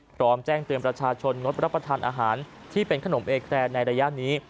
พร้อมแจ้งเตือนประชาชนงดรับประทานอาหารที่เป็นขนมเอแครในระยะนี้